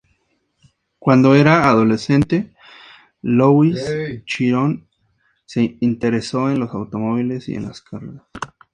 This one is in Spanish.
Cuando era adolescente, Louis Chiron se interesó en los automóviles y en las carreras.